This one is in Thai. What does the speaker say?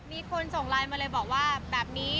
มีคนส่งไลน์มาเลยบอกว่าแบบนี้